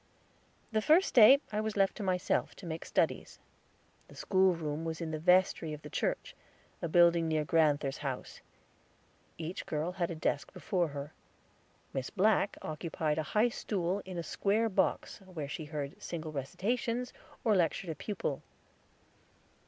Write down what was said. The first day I was left to myself, to make studies. The school room was in the vestry of the church, a building near grand'ther's house. Each girl had a desk before her. Miss Black occupied a high stool in a square box, where she heard single recitations, or lectured a pupil.